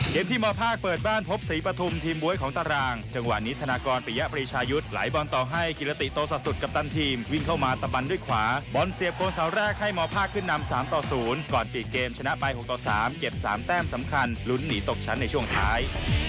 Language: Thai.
ที่มภาคเปิดบ้านพบศรีปฐุมทีมบ๊วยของตารางจังหวะนี้ธนากรปิยปรีชายุทธ์ไหลบอลต่อให้กิรติโตสะสุดกัปตันทีมวิ่งเข้ามาตะบันด้วยขวาบอลเสียบโกเสาแรกให้มภาคขึ้นนำ๓ต่อ๐ก่อน๔เกมชนะไป๖ต่อ๓เก็บ๓แต้มสำคัญลุ้นหนีตกชั้นในช่วงท้าย